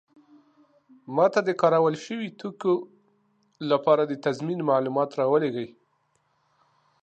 ما ته د کارول شوي توکو لپاره د تضمین معلومات راولیږئ.